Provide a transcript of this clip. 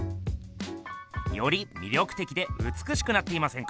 より魅力的で美しくなっていませんか？